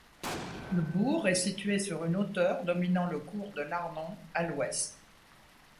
Le bourg est situé sur une hauteur dominant le cours de l'Arnon, à l'ouest.